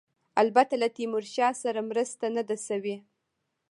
البته له تیمورشاه سره مرسته نه ده شوې.